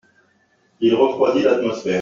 Il refroidit l’atmosphère.